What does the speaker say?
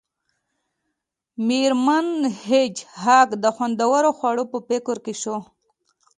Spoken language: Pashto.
میرمن هیج هاګ د خوندورو خوړو په فکر کې شوه